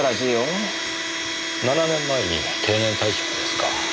７年前に定年退職ですか。